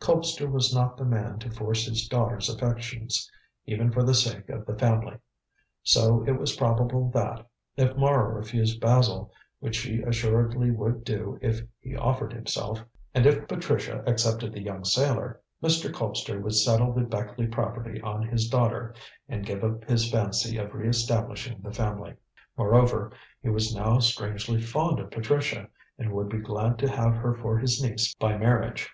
Colpster was not the man to force his daughter's affections even for the sake of the family. So it was probable that, if Mara refused Basil, which she assuredly would do if he offered himself, and if Patricia accepted the young sailor, Mr. Colpster would settle the Beckleigh property on his daughter, and give up his fancy of re establishing the family. Moreover, he was now strangely fond of Patricia, and would be glad to have her for his niece by marriage.